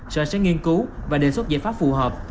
sở sẽ nghiên cứu và đề xuất giải pháp phù hợp